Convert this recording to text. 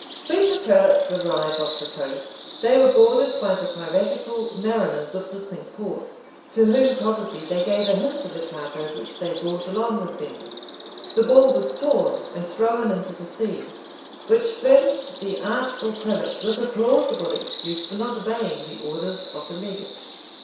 When the prelates arrived off the coast, they were boarded by the piratical mariners of the cinque ports, to whom probably they gave a hint of the cargo which they brought along with them: the bull was torn and thrown into the sea; which furnished the artful prelates with a plausible excuse for not obeying the orders of the legate.